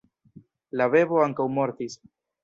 La bebo ankaŭ mortis.